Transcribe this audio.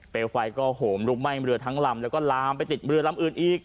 ไฟก็โหมลุกไหม้เรือทั้งลำแล้วก็ลามไปติดเรือลำอื่นอีก